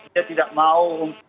dia tidak mau